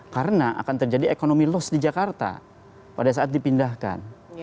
karena akan terjadi ekonomi loss di jakarta pada saat dipindahkan